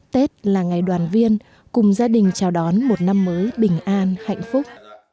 tết là ngày đoàn viên cùng gia đình chào đón một năm mới bình an hạnh phúc